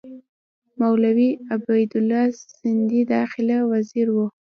مولوي عبیدالله سندي داخله وزیر وو.